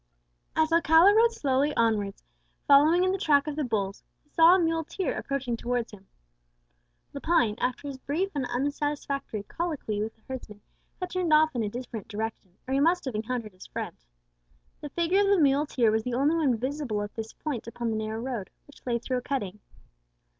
As Alcala slowly rode onwards, following in the track of the bulls, he saw a muleteer approaching towards him. Lepine, after his brief and unsatisfactory colloquy with the herdsman, had turned off in a different direction, or he must have encountered his friend. The figure of the muleteer was the only one visible at this point upon the narrow road, which lay through a cutting.